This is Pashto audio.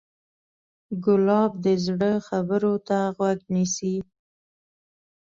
ګلاب د زړه خبرو ته غوږ نیسي.